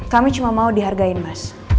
kami cuma mau dihargain mas